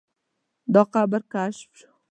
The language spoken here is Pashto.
دا قبر کشف شو.